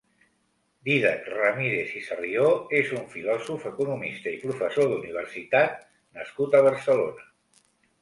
Dídac Ramírez i Sarrió és un filòsof, economista i professor d'universitat nascut a Barcelona.